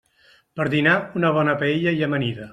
Per dinar, una bona paella i amanida.